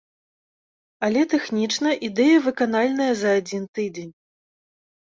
Але тэхнічна ідэя выканальная за адзін тыдзень.